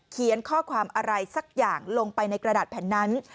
เขียนข้อความอะไรสักอย่างลงไปในกระดาษแผ่นนั้น